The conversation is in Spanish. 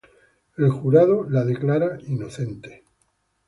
El jurado la declarará inocente.